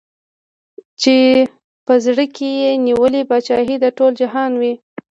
چي په زړه کي یې نیولې پاچهي د ټول جهان وي